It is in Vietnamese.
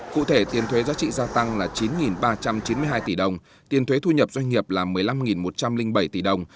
cụ thể tiền thuế giá trị gia tăng là chín ba trăm chín mươi hai tỷ đồng tiền thuế thu nhập doanh nghiệp là một mươi năm một trăm linh bảy tỷ đồng